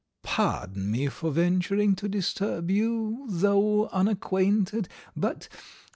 Pardon me for venturing to disturb you, though unacquainted, but